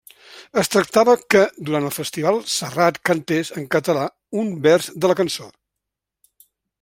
Es tractava que durant el festival Serrat cantés en català un vers de la cançó.